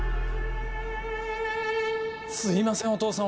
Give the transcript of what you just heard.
・すいませんお義父さん